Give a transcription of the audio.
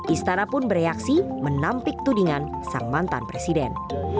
istana pun bereaksi menampik tudingan sang mantan presiden